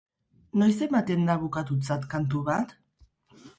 Noiz ematen da bukatutzat kantu bat?